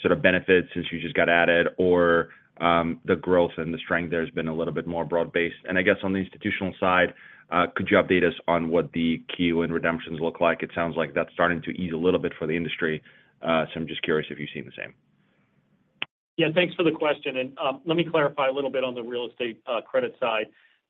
sort of benefit since you just got added, or the growth and the strength there has been a little bit more broad-based? And I guess on the institutional side, could you update us on what the net redemptions look like? It sounds like that's starting to ease a little bit for the industry. So I'm just curious if you've seen the same. Yeah, thanks for the question. And, let me clarify a little bit on the real estate credit side.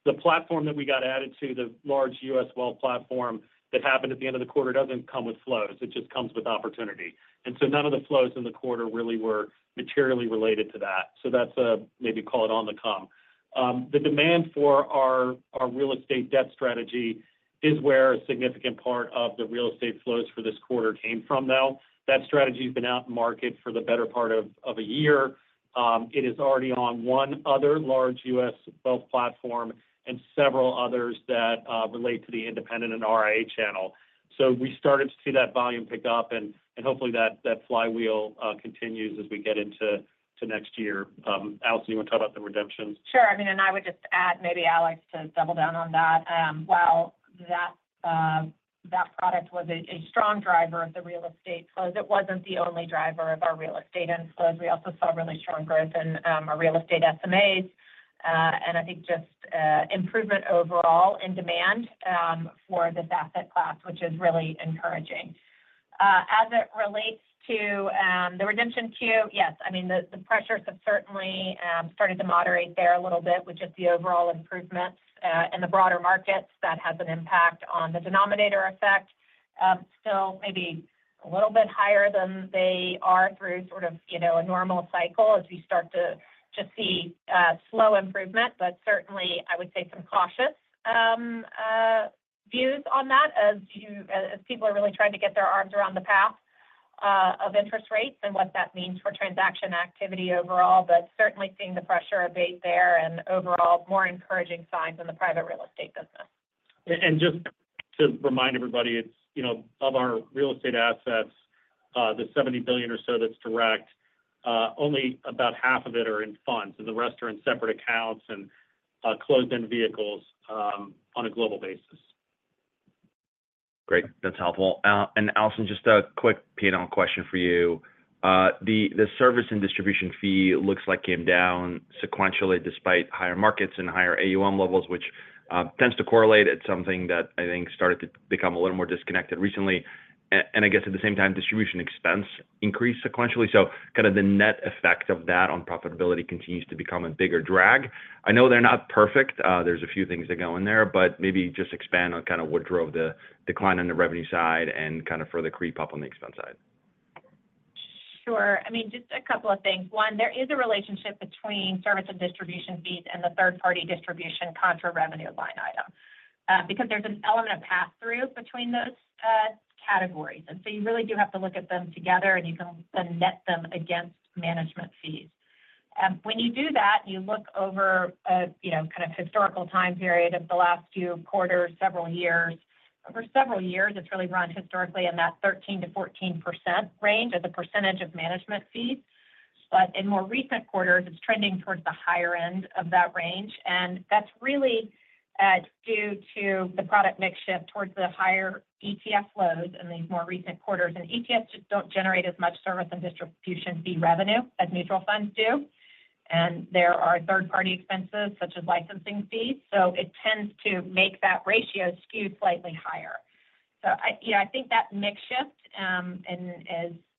The platform that we got added to, the large U.S. wealth platform that happened at the end of the quarter, doesn't come with flows, it just comes with opportunity. And so none of the flows in the quarter really were materially related to that, so that's maybe call it on the come. The demand for our real estate debt strategy is where a significant part of the real estate flows for this quarter came from, though. That strategy has been out in the market for the better part of a year. It is already on one other large U.S. wealth platform and several others that relate to the independent and RIA channel. So we started to see that volume pick up, and hopefully that flywheel continues as we get into next year. Allison, you want to talk about the redemptions? Sure. I mean, and I would just add, maybe, Alex, to double down on that. While that product was a strong driver of the real estate flows, it wasn't the only driver of our real estate inflows. We also saw really strong growth in our real estate SMAs, and I think just improvement overall in demand for this asset class, which is really encouraging. As it relates to the redemption queue, yes, I mean, the pressures have certainly started to moderate there a little bit, which is the overall improvements in the broader markets that has an impact on the denominator effect. Still maybe a little bit higher than they are through sort of, you know, a normal cycle as we start to see slow improvement. But certainly, I would say some cautious views on that as people are really trying to get their arms around the path of interest rates and what that means for transaction activity overall. But certainly seeing the pressure abate there and overall more encouraging signs in the private real estate business. And just to remind everybody, it's you know of our real estate assets, the $70 billion or so that's direct, only about half of it are in funds, and the rest are in separate accounts and closed-end vehicles, on a global basis. Great. That's helpful. And Allison, just a quick P&L question for you. The service and distribution fee looks like came down sequentially, despite higher markets and higher AUM levels, which tends to correlate. It's something that I think started to become a little more disconnected recently. And I guess at the same time, distribution expense increased sequentially, so kind of the net effect of that on profitability continues to become a bigger drag. I know they're not perfect, there's a few things that go in there, but maybe just expand on kind of what drove the decline on the revenue side and kind of further creep up on the expense side. Sure. I mean, just a couple of things. One, there is a relationship between service and distribution fees and the third-party distribution contra revenue line item, because there's an element of pass-through between those, categories. And so you really do have to look at them together, and you can then net them against management fees. When you do that, you look over a you know kind of historical time period of the last few quarters, several years. For several years, it's really run historically in that 13%-14% range as a percentage of management fees. But in more recent quarters, it's trending towards the higher end of that range, and that's really due to the product mix shift towards the higher ETF flows in the more recent quarters. And ETFs just don't generate as much service and distribution fee revenue as mutual funds do. There are third-party expenses, such as licensing fees, so it tends to make that ratio skew slightly higher. Yeah, I think that mix shift and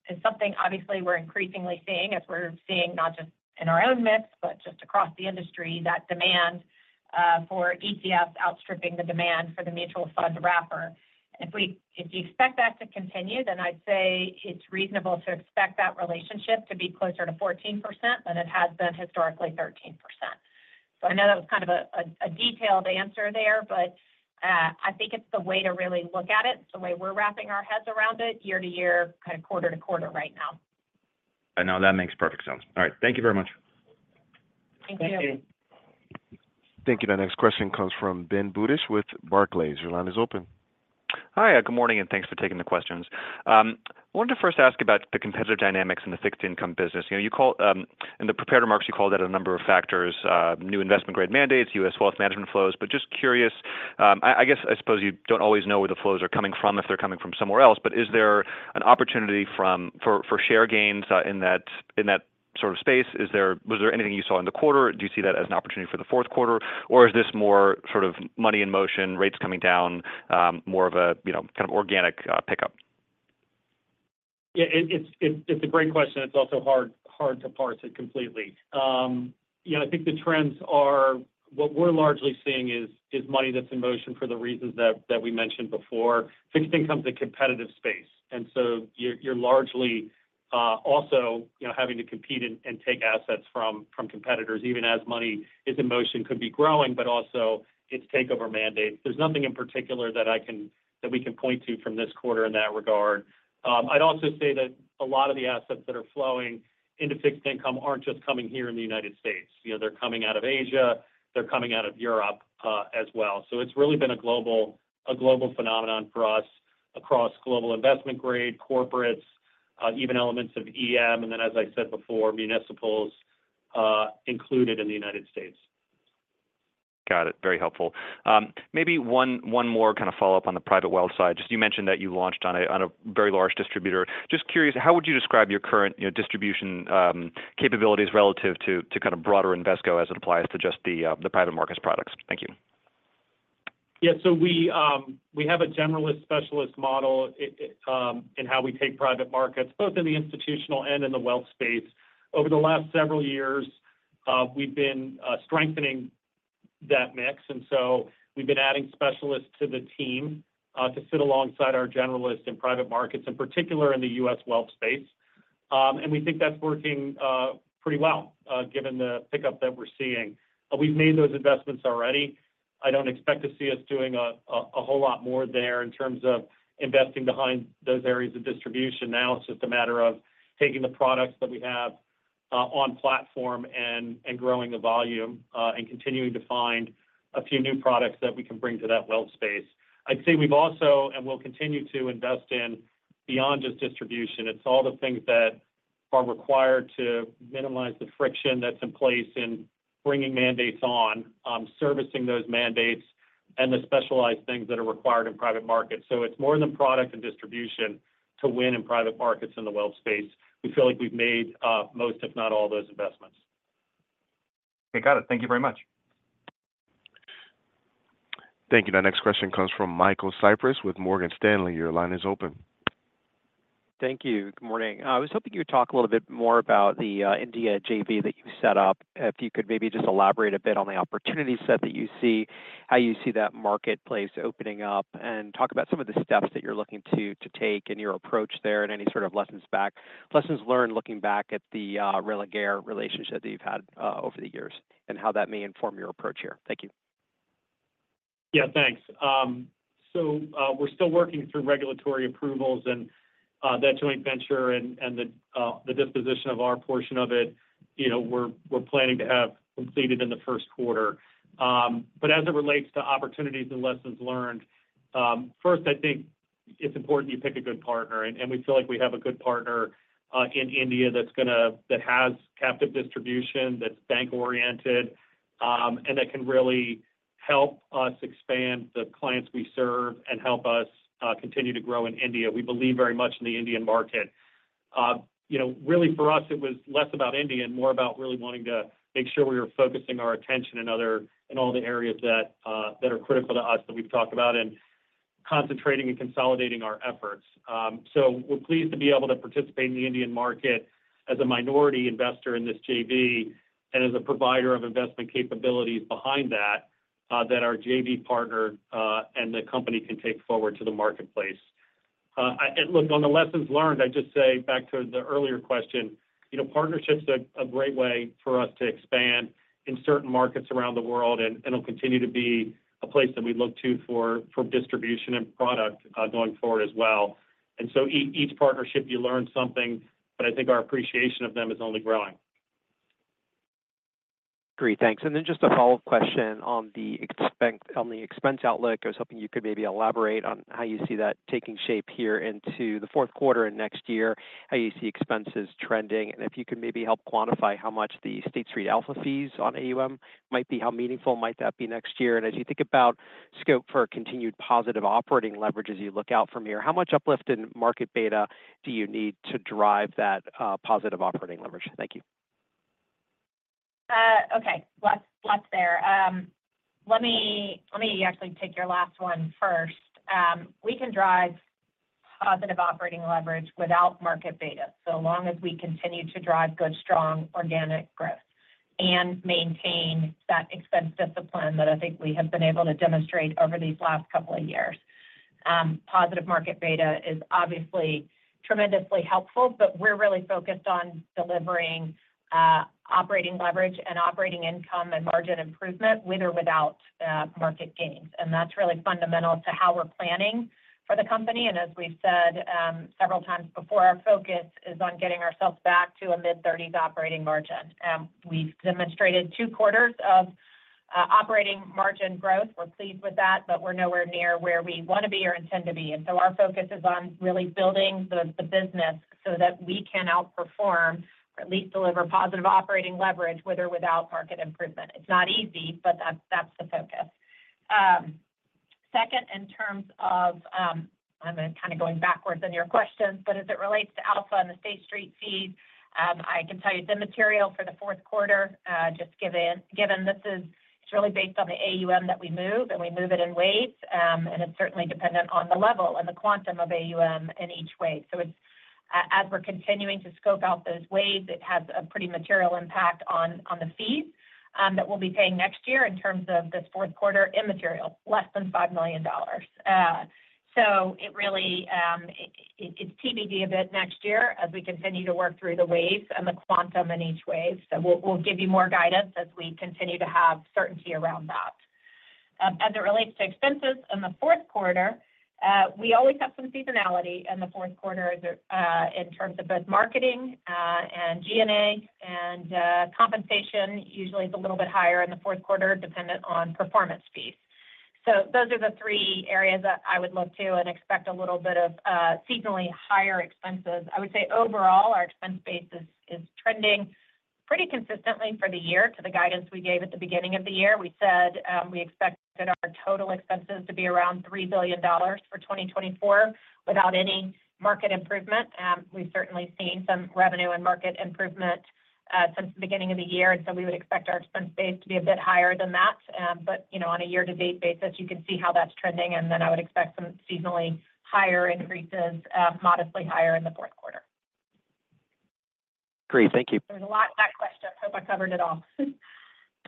is something obviously we're increasingly seeing, as we're seeing not just in our own mix, but just across the industry, that demand for ETFs outstripping the demand for the mutual fund wrapper. If we expect that to continue, then I'd say it's reasonable to expect that relationship to be closer to 14% than it has been historically 13%. I know that was kind of a detailed answer there, but I think it's the way to really look at it. It's the way we're wrapping our heads around it year to year, kind of quarter to quarter right now. I know. That makes perfect sense. All right. Thank you very much. Thank you. Thank you. Thank you. The next question comes from Ben Budish with Barclays. Your line is open. Hi, good morning, and thanks for taking the questions. I wanted to first ask about the competitive dynamics in the fixed income business. You know, In the prepared remarks, you called out a number of factors, new investment-grade mandates, U.S. wealth management flows. But just curious, I guess, I suppose you don't always know where the flows are coming from, if they're coming from somewhere else, but is there an opportunity for share gains in that sort of space? Was there anything you saw in the quarter? Do you see that as an opportunity for the 4th quarter, or is this more sort of money in motion, rates coming down, more of a, you know, kind of organic pickup? Yeah, it's a great question. It's also hard to parse it completely. You know, I think the trends are... What we're largely seeing is money that's in motion for the reasons that we mentioned before. Fixed income is a competitive space, and so you're largely also, you know, having to compete and take assets from competitors, even as money is in motion, could be growing, but also it's takeover mandate. There's nothing in particular that we can point to from this quarter in that regard. I'd also say that a lot of the assets that are flowing into fixed income aren't just coming here in the United States. You know, they're coming out of Asia, they're coming out of Europe, as well. So it's really been a global phenomenon for us across global investment grade, corporates, even elements of EM, and then, as I said before, municipals included in the United States. Got it. Very helpful. Maybe one more kind of follow-up on the private wealth side. Just you mentioned that you launched on a very large distributor. Just curious, how would you describe your current, you know, distribution capabilities relative to kind of broader Invesco as it applies to just the private markets products? Thank you. Yeah. So we have a generalist-specialist model in how we take private markets, both in the institutional and in the wealth space. Over the last several years, we've been strengthening that mix, and so we've been adding specialists to the team to sit alongside our generalists in private markets, in particular in the U.S. wealth space. And we think that's working pretty well given the pickup that we're seeing. We've made those investments already. I don't expect to see us doing a whole lot more there in terms of investing behind those areas of distribution. Now, it's just a matter of taking the products that we have on platform and growing the volume and continuing to find a few new products that we can bring to that wealth space. I'd say we've also, and will continue to invest in beyond just distribution. It's all the things that are required to minimize the friction that's in place in bringing mandates on, servicing those mandates, and the specialized things that are required in private markets. So it's more than product and distribution to win in private markets in the wealth space. We feel like we've made most, if not all, those investments. Okay, got it. Thank you very much. Thank you. Our next question comes from Michael Cyprys with Morgan Stanley. Your line is open. Thank you. Good morning. I was hoping you would talk a little bit more about the India JV that you set up. If you could maybe just elaborate a bit on the opportunity set that you see, how you see that marketplace opening up, and talk about some of the steps that you're looking to take and your approach there and any sort of lessons learned, looking back at the Religare relationship that you've had over the years, and how that may inform your approach here. Thank you. Yeah, thanks. So, we're still working through regulatory approvals and that joint venture and the disposition of our portion of it, you know, we're planning to have completed in the first quarter. But as it relates to opportunities and lessons learned, first, I think it's important you pick a good partner, and we feel like we have a good partner in India, that has captive distribution, that's bank-oriented, and that can really help us expand the clients we serve and help us continue to grow in India. We believe very much in the Indian market. You know, really, for us, it was less about India and more about really wanting to make sure we were focusing our attention in other-- in all the areas that are critical to us, that we've talked about, and concentrating and consolidating our efforts. So we're pleased to be able to participate in the Indian market as a minority investor in this JV and as a provider of investment capabilities behind that, that our JV partner and the company can take forward to the marketplace. And look, on the lessons learned, I'd just say back to the earlier question, you know, partnership's a great way for us to expand in certain markets around the world, and it'll continue to be a place that we look to for distribution and product going forward as well. Each partnership, you learn something, but I think our appreciation of them is only growing. Great, thanks. And then just a follow-up question on the expense outlook. I was hoping you could maybe elaborate on how you see that taking shape here into the 4th quarter and next year, how you see expenses trending, and if you could maybe help quantify how much the State Street Alpha fees on AUM might be, how meaningful might that be next year? And as you think about scope for continued positive operating leverage as you look out from here, how much uplift in market beta do you need to drive that positive operating leverage? Thank you. Okay, lots there. Let me actually take your last one first. We can drive positive operating leverage without market beta, so long as we continue to drive good, strong, organic growth and maintain that expense discipline that I think we have been able to demonstrate over these last couple of years. Positive market beta is obviously tremendously helpful, but we're really focused on delivering operating leverage and operating income and margin improvement, with or without market gains, and that's really fundamental to how we're planning for the company, and as we've said several times before, our focus is on getting ourselves back to a mid-thirties operating margin. We've demonstrated two quarters of operating margin growth. We're pleased with that, but we're nowhere near where we want to be or intend to be. And so our focus is on really building the business so that we can outperform or at least deliver positive operating leverage, with or without market improvement. It's not easy, but that's the focus. Second, in terms of... I'm kind of going backwards in your questions, but as it relates to Alpha and the State Street fees, I can tell you it's immaterial for the 4th quarter, just given it's really based on the AUM that we move, and we move it in waves. And it's certainly dependent on the level and the quantum of AUM in each wave. So as we're continuing to scope out those waves, it has a pretty material impact on the fees that we'll be paying next year. In terms of this 4th quarter, immaterial, less than $5 million. So it really, it, it's TBD a bit next year as we continue to work through the waves and the quantum in each wave. So we'll, we'll give you more guidance as we continue to have certainty around that. As it relates to expenses in the 4th quarter, we always have some seasonality in the 4th quarter, in terms of both marketing, and G&A, and, compensation usually is a little bit higher in the 4th quarter, dependent on performance fees. So those are the three areas that I would look to and expect a little bit of, seasonally higher expenses. I would say overall, our expense base is trending pretty consistently for the year to the guidance we gave at the beginning of the year. We said, we expected our total expenses to be around $3 billion for 2024, without any market improvement. We've certainly seen some revenue and market improvement, since the beginning of the year, and so we would expect our expense base to be a bit higher than that. But, you know, on a year-to-date basis, you can see how that's trending, and then I would expect some seasonally higher increases, modestly higher in the 4th quarter. Great. Thank you. There's a lot to that question. Hope I covered it all.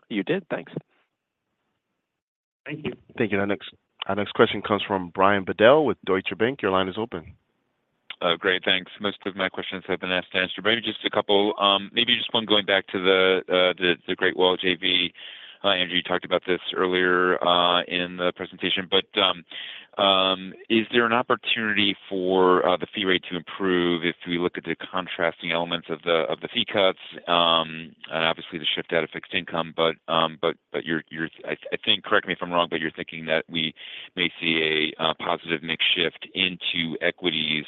You did. Thanks. Thank you. Thank you. Our next question comes from Brian Bedell with Deutsche Bank. Your line is open. Great, thanks. Most of my questions have been asked and answered, but maybe just a couple. Maybe just one going back to the Great Wall JV. Andrew, you talked about this earlier in the presentation, but is there an opportunity for the fee rate to improve if we look at the contrasting elements of the fee cuts and obviously the shift out of fixed income? But you're I think, correct me if I'm wrong, but you're thinking that we may see a positive mix shift into equities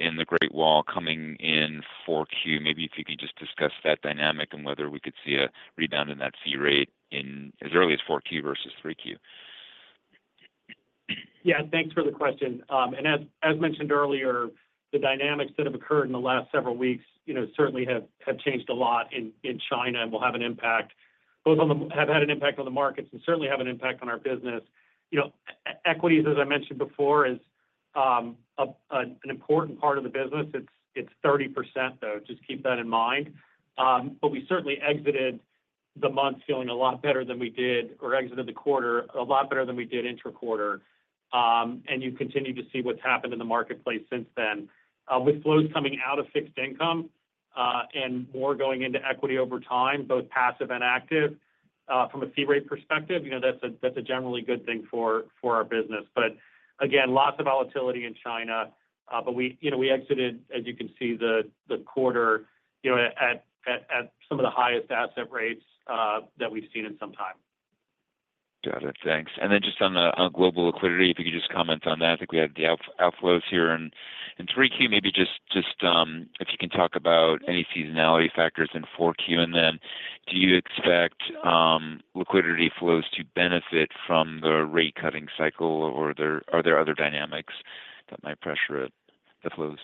in the Great Wall coming in 4Q. Maybe if you could just discuss that dynamic and whether we could see a rebound in that fee rate in as early as 4Q versus 3Q. Yeah. Thanks for the question. And as mentioned earlier, the dynamics that have occurred in the last several weeks, you know, certainly have changed a lot in China and will have an impact, both on the... Have had an impact on the markets and certainly have an impact on our business. You know, equities, as I mentioned before, is an important part of the business. It's 30%, though, just keep that in mind. But we certainly exited the month feeling a lot better than we did, or exited the quarter, a lot better than we did inter-quarter. And you continue to see what's happened in the marketplace since then. With flows coming out of fixed income, and more going into equity over time, both passive and active, from a fee rate perspective, you know, that's a generally good thing for our business. But again, lots of volatility in China. But we, you know, we exited, as you can see, the quarter, you know, at some of the highest asset rates, that we've seen in some time. Got it. Thanks. And then just on global liquidity, if you could just comment on that. I think we had the outflows here in 3Q. Maybe just if you can talk about any seasonality factors in 4Q, and then do you expect liquidity flows to benefit from the rate cutting cycle, or are there other dynamics that might pressure the flows?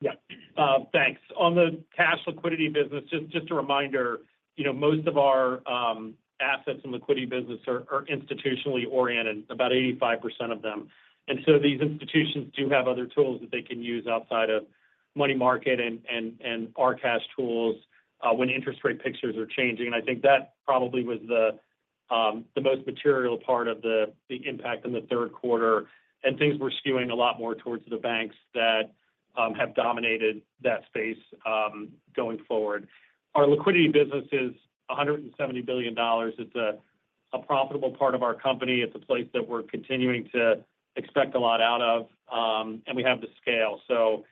Yeah. Thanks. On the cash liquidity business, just a reminder, you know, most of our assets and liquidity business are institutionally oriented, about 85% of them. And so these institutions do have other tools that they can use outside of money market and our cash tools, when interest rate pictures are changing. And I think that probably was the most material part of the impact in the 3rd quarter. And things were skewing a lot more towards the banks that have dominated that space, going forward. Our liquidity business is $170 billion. It's a profitable part of our company. It's a place that we're continuing to expect a lot out of, and we have the scale. So,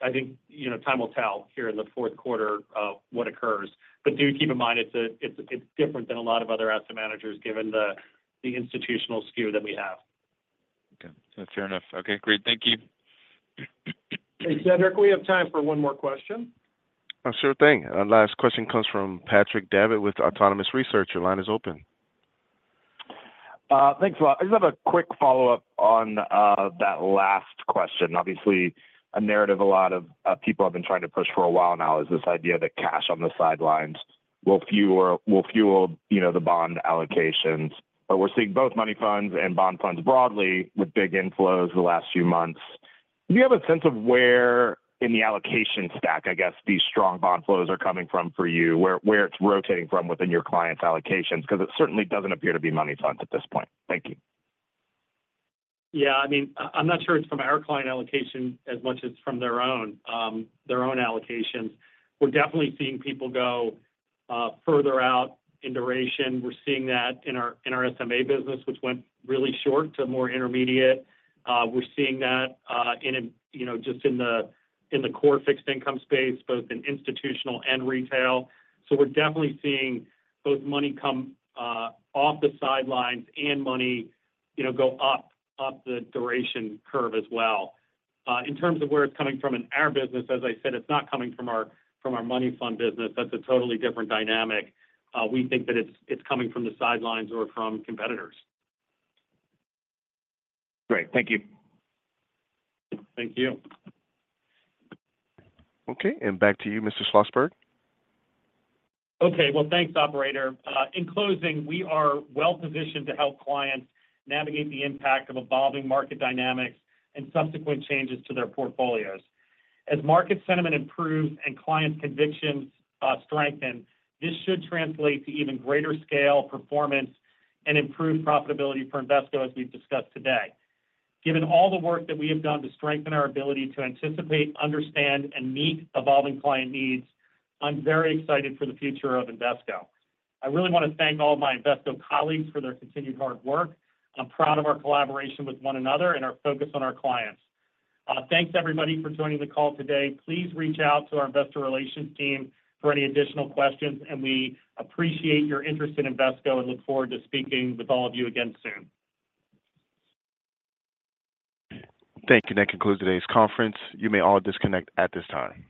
I think, you know, time will tell here in the 4th quarter of what occurs. But do keep in mind, it's different than a lot of other asset managers, given the institutional skew that we have. Okay. That's fair enough. Okay, great. Thank you. Hey, Cedric, we have time for one more question. Sure thing. Our last question comes from Patrick Davitt with Autonomous Research. Your line is open. Thanks a lot. I just have a quick follow-up on that last question. Obviously, a narrative a lot of people have been trying to push for a while now is this idea that cash on the sidelines will fuel, you know, the bond allocations. But we're seeing both money funds and bond funds broadly with big inflows the last few months. Do you have a sense of where in the allocation stack, I guess, these strong bond flows are coming from for you, where it's rotating from within your clients allocations? Because it certainly doesn't appear to be money funds at this point. Thank you. Yeah, I mean, I'm not sure it's from our client allocation as much as from their own, their own allocations. We're definitely seeing people go, further out in duration. We're seeing that in our SMA business, which went really short to more intermediate. We're seeing that, you know, just in the core fixed income space, both in institutional and retail. So we're definitely seeing both money come, off the sidelines and money, you know, go up the duration curve as well. In terms of where it's coming from in our business, as I said, it's not coming from our money fund business. That's a totally different dynamic. We think that it's coming from the sidelines or from competitors. Great. Thank you. Thank you. Okay, and back to you, Mr. Schlossberg. Okay. Well, thanks, operator. In closing, we are well positioned to help clients navigate the impact of evolving market dynamics and subsequent changes to their portfolios. As market sentiment improves and client convictions strengthen, this should translate to even greater scale, performance, and improved profitability for Invesco, as we've discussed today. Given all the work that we have done to strengthen our ability to anticipate, understand, and meet evolving client needs, I'm very excited for the future of Invesco. I really want to thank all my Invesco colleagues for their continued hard work. I'm proud of our collaboration with one another and our focus on our clients. Thanks, everybody, for joining the call today. Please reach out to our Investor Relations team for any additional questions, and we appreciate your interest in Invesco and look forward to speaking with all of you again soon. Thank you. That concludes today's conference. You may all disconnect at this time.